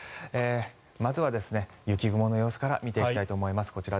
まずは雪雲の様子から見ていきたいと思います。